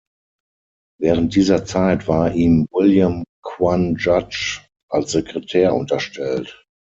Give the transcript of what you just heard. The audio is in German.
Während dieser Zeit war ihm William Quan Judge als Sekretär unterstellt.